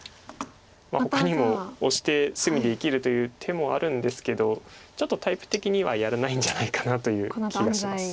ほかにもオシて隅で生きるという手もあるんですけどちょっとタイプ的にはやらないんじゃないかなという気がします。